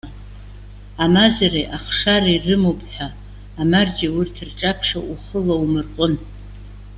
Амазареи ахшареи рымоуп ҳәа, амарџьа, урҭ рҿаԥхьа ухы лаумырҟәын.